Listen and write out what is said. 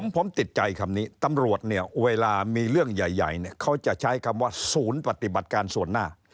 ผมติดใจคำนี้ตำรวจเนี่ยเวลามีเรื่องใหญ่เนี่ยเขาจะใช้คำว่าศูนย์ปฏิบัติการส่วนหน้า